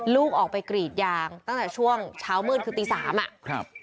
ลูกออกไปกรีดยางตั้งแต่ช่วงเช้ามืดคือตีสามอ่ะครับ